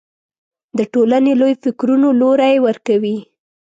د ټولنې لویو فکرونو لوری ورکوي